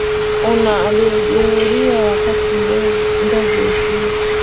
una aliyejeruhiwa wakati ndege hiyo